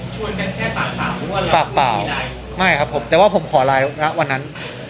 ช่วยกันแค่ปากเปล่าปากเปล่าไม่ครับผมแต่ว่าผมขอไลน์ณวันนั้น